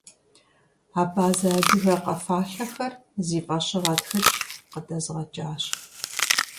«Абазэ-адыгэ къэфалъэхэр» зи фӀэщыгъэ тхылъ къыдэзгъэкӀащ.